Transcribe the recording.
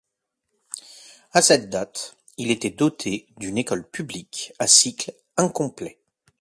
À cette date, il était doté d'une école publique à cycle incomplet.